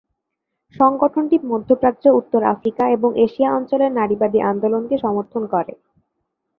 সংগঠনটি মধ্যপ্রাচ্য, উত্তর আফ্রিকা এবং এশিয়া অঞ্চলের নারীবাদী আন্দোলনকে সমর্থন করে।